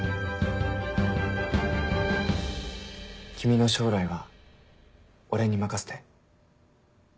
君の将来は俺に任せて。